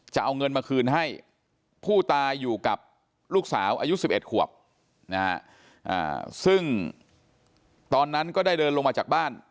จะเอาเงินมาคืนให้ผู้ตายอยู่กับลูกสาวอายุ๑๑ขวบนะฮะซึ่งตอนนั้นก็ได้เดินลงมาจากบ้าน